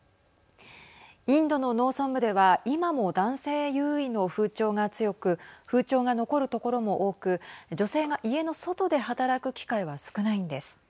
インドの農村部では今も男性優位の風潮が強く風潮が残る所も多く女性が家の外で働く機会は少ないんです。